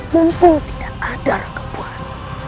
mumpung tidak ada rekepuan